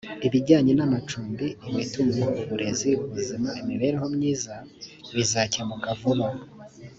ibijyanye namacumbi imitungo uburezi ubuzima imibereho myiza bizakemuka vuba